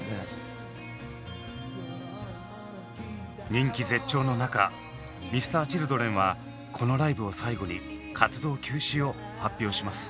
人気絶頂の中Ｍｒ．Ｃｈｉｌｄｒｅｎはこのライブを最後に活動休止を発表します。